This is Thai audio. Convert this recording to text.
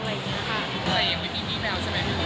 แต่ยังไม่มีนี่แมวใช่ไหม